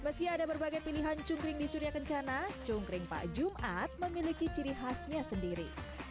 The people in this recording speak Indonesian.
meski ada berbagai pilihan cungkring di surya kencana cungkring pak jumat memiliki ciri khasnya sendiri